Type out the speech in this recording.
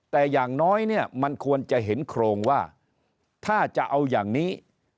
แต่อย่างน้อยเนี่ยมันควรจะเห็นโครงว่าถ้าจะเอาอย่างนี้